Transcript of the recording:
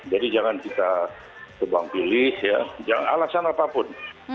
jadi jangan kita kebang pilih alasan apapun